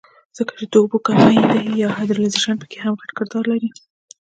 ځکه چې د اوبو کمے يا ډي هائيډرېشن پکښې هم غټ کردار لري